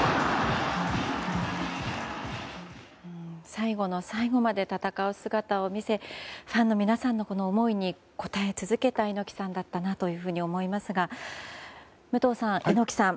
最後の最後まで戦う姿を見せファンの皆さんの思いに応え続けた猪木さんだったなと思いますが武藤さん、猪木さん